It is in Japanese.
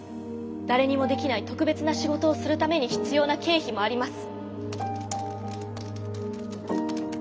誰にもできない特別な仕事をするために必要な経費もあります。